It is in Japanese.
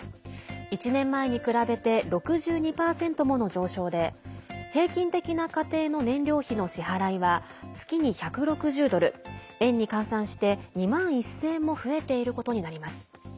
１年前に比べて６２％もの上昇で平均的な家庭の燃料費の支払いは月に１６０ドル円に換算して２万１０００円も増えていることになります。